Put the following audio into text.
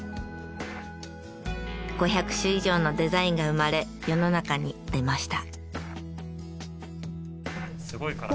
５００種以上のデザインが生まれ世の中に出ました。